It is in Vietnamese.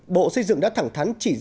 bộ xây dựng đã thẳng thắn chỉ ra rằng